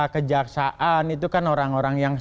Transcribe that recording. kejaksaan itu kan orang orang yang